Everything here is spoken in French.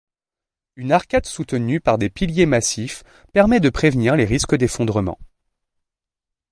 Une arcade soutenue par des piliers massifs permet de prévenir les risques d'effondrement.